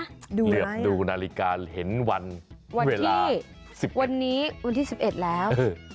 เหลือบดูนาฬิกาเห็นวันที่๑๐วันนี้วันที่๑๑แล้ว